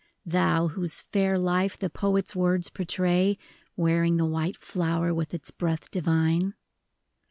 Thou, whose fair life the poet's words por tray. Wearing the white flower with its breath divine.